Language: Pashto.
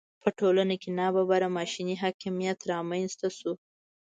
په ټولنه کې ناببره ماشیني حاکمیت رامېنځته شو.